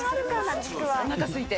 おなかすいて。